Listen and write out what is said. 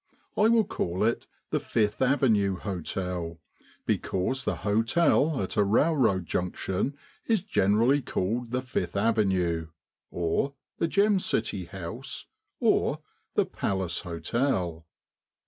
I will call it the Fifth Avenue Hotel because the hotel at a railroad junction is generally called the Fifth Avenue, or the Gem City House, or the Palace Hotel.